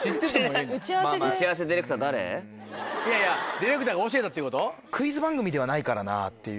ディレクターが教えたっていうこと？